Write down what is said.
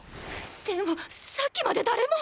でもさっきまで誰も！